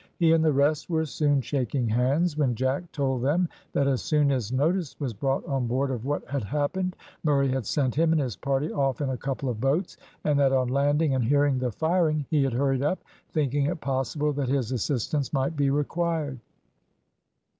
He and the rest were soon shaking hands, when Jack told them that as soon as notice was brought on board of what had happened, Murray had sent him and his party off in a couple of boats, and that on landing and hearing the firing he had hurried up, thinking it possible that his assistance might be required.